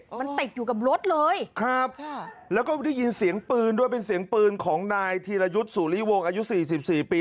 มันติดอยู่กับรถเลยครับแล้วก็ได้ยินเสียงปืนด้วยเป็นเสียงปืนของนายธีรยุทธ์สุริวงศ์อายุสี่สิบสี่ปี